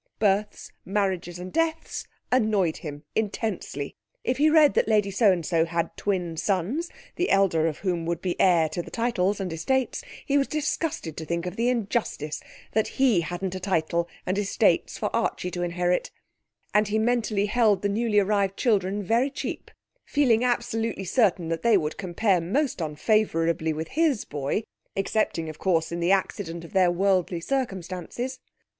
'Births, Marriages, and Deaths' annoyed him intensely. If he read that Lady So and So had twin sons, the elder of whom would be heir to the title and estates, he was disgusted to think of the injustice that he hadn't a title and estates for Archie to inherit, and he mentally held the newly arrived children very cheap, feeling absolutely certain that they would compare most unfavourably with his boy, excepting, of course, in the accident of their worldly circumstances.